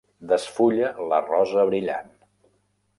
Desfulla la rosa brillant.